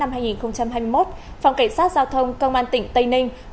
phòng cảnh sát giao thông công an tỉnh tây ninh